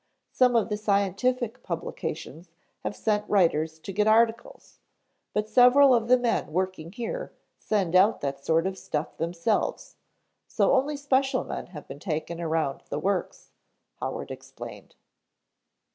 Some of the scientific publications have sent writers to get articles, but several of the men working here send out that sort of stuff themselves, so only special men have been taken around the works," Howard explained.